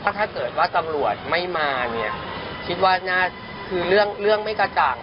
เพราะถ้าเกิดว่าตำรวจไม่มาคิดว่าเรื่องไม่กระจ่าง